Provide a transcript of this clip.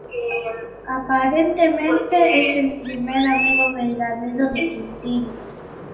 Aparentemente, es el primer amigo verdadero de Tintín.